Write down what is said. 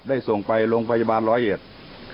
ส่งไปโรงพยาบาลร้อยเอ็ด